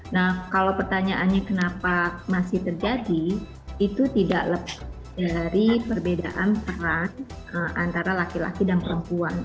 nah kalau pertanyaannya kenapa masih terjadi itu tidak lepas dari perbedaan peran antara laki laki dan perempuan